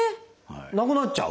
なくなっちゃう？